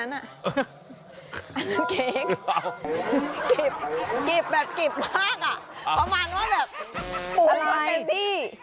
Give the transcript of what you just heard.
อันนั้นเองกิบแบบกิบมากอ่ะประมาณว่าแบบปูมาเต็มที่